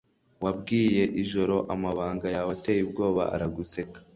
wabwiye ijoro amabanga yawe ateye ubwoba, araguseka;